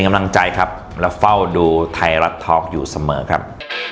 กำลังใจครับและเฝ้าดูไทยรัฐทอล์กอยู่เสมอครับ